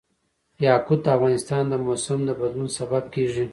یاقوت د افغانستان د موسم د بدلون سبب کېږي.